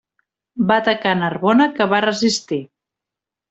Va atacar Narbona, que va resistir.